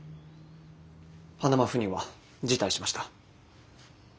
パナマ赴任は辞退しました。